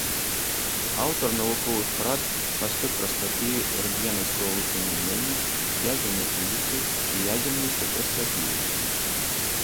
Аўтар навуковых прац па спектраскапіі рэнтгенаўскага выпрамянення, ядзернай фізіцы і ядзернай спектраскапіі.